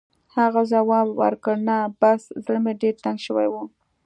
هغه ځواب ورکړ: «نه، بس زړه مې ډېر تنګ شوی و.